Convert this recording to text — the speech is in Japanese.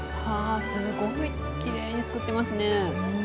すごい、きれいに作ってますね。